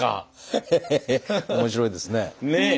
ヘヘヘヘ面白いですね。